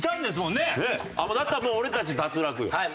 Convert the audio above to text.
だったらもう俺たち脱落よ。